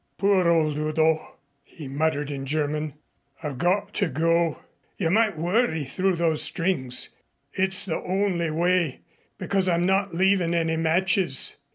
"Poor old Udo!" he muttered in German. "I've got to go. You might worry through those strings. It's the only way, because I'm not leaving any matches."